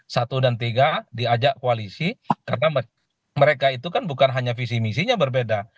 satu dan tiga diajak koalisi karena mereka itu kan bukan hanya visi misinya berbeda